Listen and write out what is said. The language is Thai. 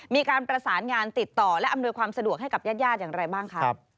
มีการประสานงานติดต่อและอำนวยความสะดวกให้กับญาติอย่างไรบ้างครับ